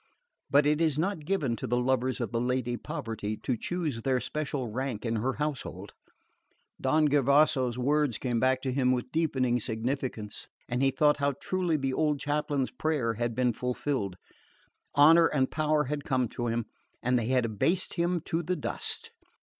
But it is not given to the lovers of the Lady Poverty to choose their special rank in her household. Don Gervaso's words came back to him with deepening significance, and he thought how truly the old chaplain's prayer had been fulfilled. Honour and power had come to him, and they had abased him to the dust.